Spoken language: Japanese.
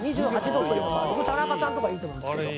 「ここ田中さんとかいいと思うんですけど」